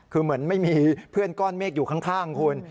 คือเหมือนไม่มีเพื่อนก้อนเมฆอยู่ข้างคุณ